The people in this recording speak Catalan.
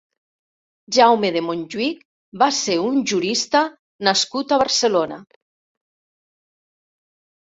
Jaume de Montjuïc va ser un jurista nascut a Barcelona.